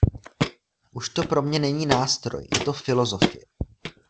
Už to pro mě není nástroj, je to filosofie.